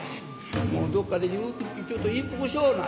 もうどっかでちょっと一服しような」